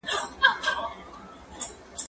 چايي د زهشوم له خوا څښل کيږي؟